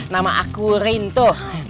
nama aku rinto